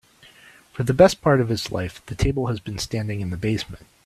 For the best part of its life, the table has been standing in the basement.